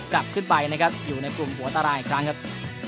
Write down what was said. กลับขึ้นไปนะครับอยู่ในกลุ่มหัวตารางอีกครั้งครับ